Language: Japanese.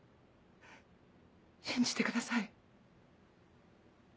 信じてください。